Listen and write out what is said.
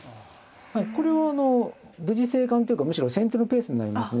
これは無事生還というかむしろ先手のペースになりますね。